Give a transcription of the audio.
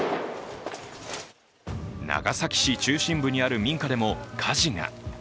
長崎市中心部にある民家でも火事が。